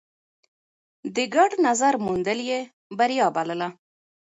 د ګډ نظر موندل يې بريا بلله.